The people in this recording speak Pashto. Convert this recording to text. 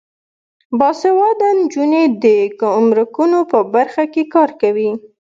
باسواده نجونې د ګمرکونو په برخه کې کار کوي.